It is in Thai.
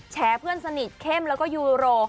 เพื่อนสนิทเข้มแล้วก็ยูโร